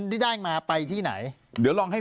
ปากกับภาคภูมิ